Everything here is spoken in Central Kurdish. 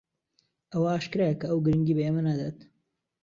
ئەوە ئاشکرایە کە ئەو گرنگی بە ئێمە نادات.